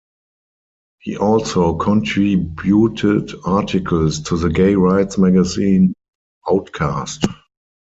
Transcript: He also contributed articles to the gay rights magazine "Outcast".